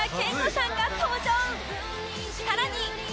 さらに